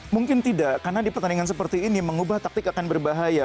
mungkin tidak karena di pertandingan seperti ini mengubah taktik akan berbahaya